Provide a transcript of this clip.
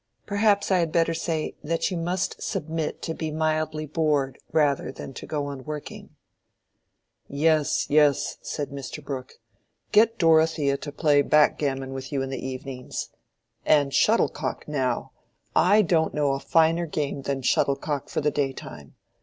Perhaps I had better say, that you must submit to be mildly bored rather than to go on working." "Yes, yes," said Mr. Brooke. "Get Dorothea to play backgammon with you in the evenings. And shuttlecock, now—I don't know a finer game than shuttlecock for the daytime.